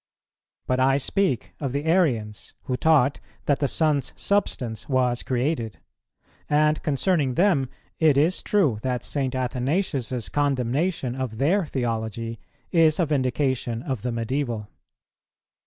But I speak of the Arians who taught that the Son's Substance was created; and concerning them it is true that St. Athanasius's condemnation of their theology is a vindication of the Medieval.